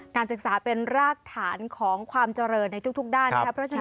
การศึกษาเป็นรากฐานของความเจริญในทุกด้านนะครับ